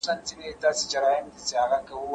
هغه وويل چي تمرين مهم دي